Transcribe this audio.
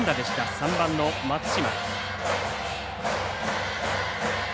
３番の松嶋。